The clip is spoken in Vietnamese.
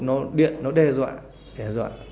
nó điện nó đe dọa đe dọa